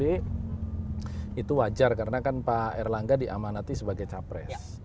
itu wajar karena kan pak erlangga diamanati sebagai capres